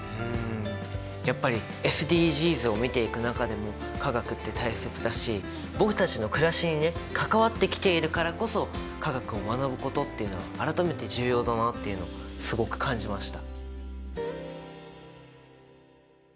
やっぱりＳＤＧｓを見ていく中でも化学って大切だし僕たちのくらしにね関わってきているからこそ化学を学ぶことっていうのは改めて重要だなっていうのをすごく感じました。